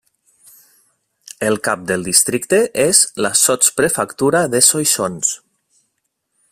El cap del districte és la sotsprefectura de Soissons.